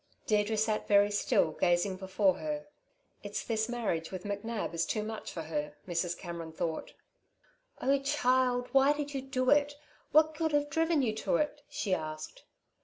Deirdre sat very still, gazing before her. "It's this marriage with McNab is too much for her," Mrs. Cameron thought. "Oh, child, why did you do it? What could have driven you to it?" she asked.